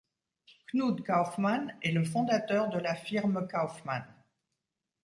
Knud Kaufmann est le fondateur de la firme Kaufmann.